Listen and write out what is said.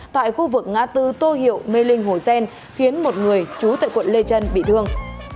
tại khu vực ngã tư tô hiệu mê linh hồ gen khiến một người trú tại quận lê trân bị thương